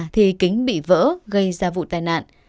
thì kính bị vỡ gây ra vụ tai nạn